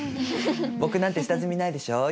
僕なんて下積みないでしょう？